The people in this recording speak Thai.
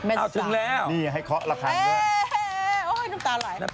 เอาถึงแล้วนี่ให้เคาะละครับ